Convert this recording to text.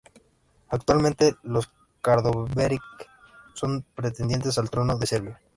Actualmente los Karađorđević son pretendientes al trono de Serbia.